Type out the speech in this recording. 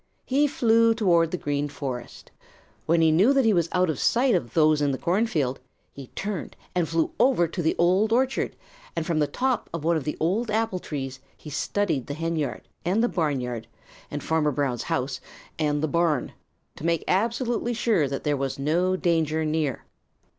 He flew toward the Green Forest. When he knew that he was out of sight of those in the cornfield, he turned and flew over to the Old Orchard, and from the top of one of the old apple trees he studied the henyard and the barnyard and Farmer Brown's house and the barn, to make absolutely sure that there was no danger near.